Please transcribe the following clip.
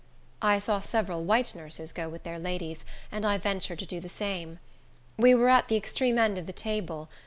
I saw several white nurses go with their ladies, and I ventured to do the same. We were at the extreme end of the table.